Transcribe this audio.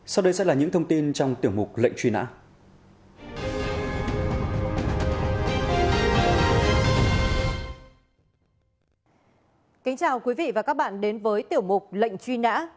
sau đây sẽ là những thông tin trong tiểu mục lệnh truy nã